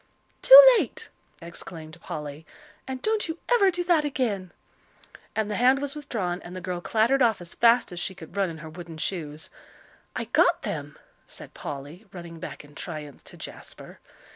"Too late!" exclaimed Polly. "And don't you ever do that again." And the hand was withdrawn, and the girl clattered off as fast as she could run in her wooden shoes. "I got them," said Polly, running back in triumph to Jasper.